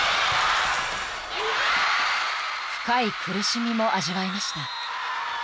［深い苦しみも味わいました］